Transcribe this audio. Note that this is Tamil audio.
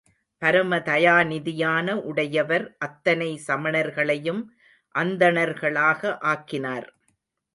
பரம தயாநிதியான உடையவர் அத்தனை சமணர்களையும் அந்தணர்களாக ஆக்கினார்.